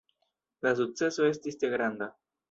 La sukceso estis tre granda.